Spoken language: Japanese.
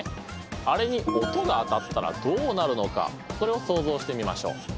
あれに音が当たったらどうなるのかそれを想像してみましょう。